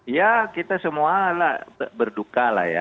ya kita semua berduka lah ya